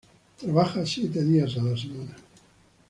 Trabajaba siete días a la semana.